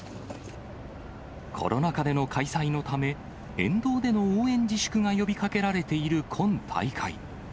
コロナ禍での開催のため、沿道での応援自粛が呼びかけられている今大会。